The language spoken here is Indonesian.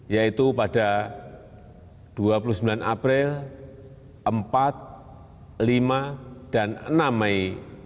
yaitu pada dua puluh sembilan april empat lima dan enam mei dua ribu dua puluh